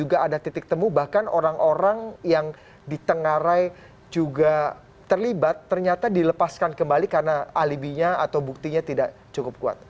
ada titik temu bahkan orang orang yang ditengarai juga terlibat ternyata dilepaskan kembali karena alibinya atau buktinya tidak cukup kuat